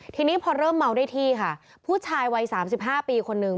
ทีนี้พอเริ่มเมาได้ที่ค่ะผู้ชายวัย๓๕ปีคนนึง